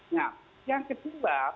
nah yang kedua